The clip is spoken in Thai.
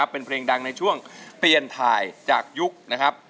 เปลี่ยนถ่ายจากยุคนะครับ